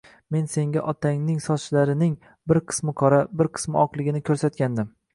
men senga otangning sochlarining bir qismi qora, bir qismi oqligini ko'rsatgandim.